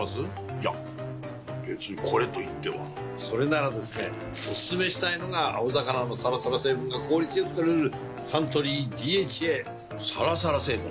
いや別にこれといってはそれならですねおすすめしたいのが青魚のサラサラ成分が効率良く摂れるサントリー「ＤＨＡ」サラサラ成分？